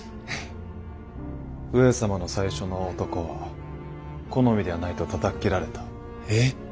上様の最初の男は好みではないとたたっ斬られた。え！